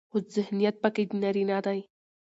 خو ذهنيت پکې د نارينه دى